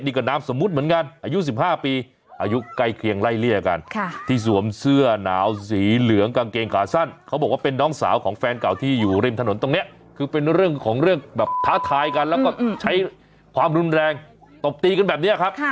ดีกว่าน้ำสมมุติเหมือนกันอายุ๑๕ปี